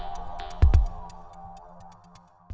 มีการที่จะพยายามติดศิลป์บ่นเจ้าพระงานนะครับ